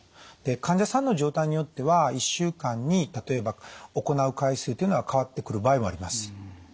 で患者さんの状態によっては１週間に例えば行う回数というのは変わってくる場合もあります。